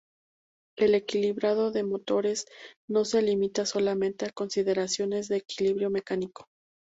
El equilibrado de motores no se limita solamente a consideraciones de equilibrio mecánico.